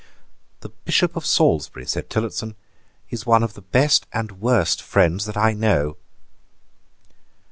"The Bishop of Salisbury," said Tillotson, "is one of the best and worst friends that I know."